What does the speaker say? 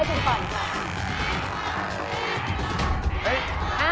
แพงกว่า